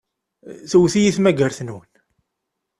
Tewwet-iyi tmagart-nwen.